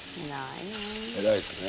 偉いっすね。